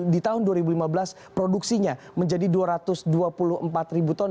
di tahun dua ribu lima belas produksinya menjadi dua ratus dua puluh empat ribu ton